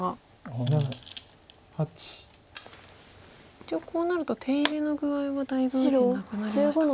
一応こうなると手入れの具合はだいぶ右辺なくなりましたか。